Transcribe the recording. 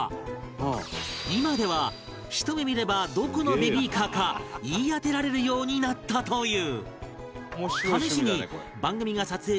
こうして今ではひと目見ればどこのベビーカーか言い当てられるようになったという